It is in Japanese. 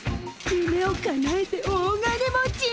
ゆめをかなえて大金持ち！